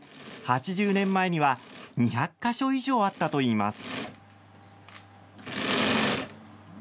８０年前には２００か所以上あったといいます。